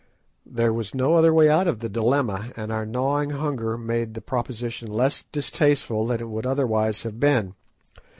There was no other way out of the dilemma, and our gnawing hunger made the proposition less distasteful than it would otherwise have been.